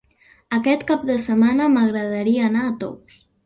Aquest cap de setmana m'agradaria anar a Tous.